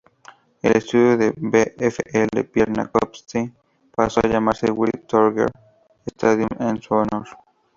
El estadio del VfL Pirna-Copitz pasó a llamarse Willy-Tröger-Stadion en su honor.